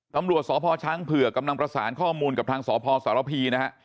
ตำรวจสพช้างเผือกกำลังประสานข้อมูลกับทางสพสารพีนะฮะ